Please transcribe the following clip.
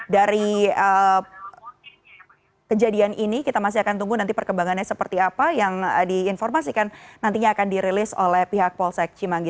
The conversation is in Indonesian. dari kejadian ini kita masih akan tunggu nanti perkembangannya seperti apa yang diinformasikan nantinya akan dirilis oleh pihak polsek cimanggi